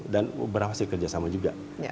dan berhasil kerjasama juga